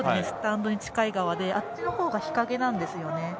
スタンドに近い側のあちらのほうが日陰なんですよね。